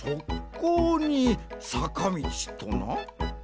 こうにさかみちとな？